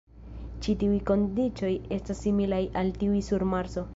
Ĉi tiuj kondiĉoj estas similaj al tiuj sur Marso.